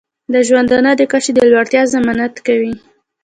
د ژوندانه د کچې د لوړتیا ضمانت کوي.